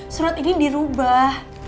surat ini dirubah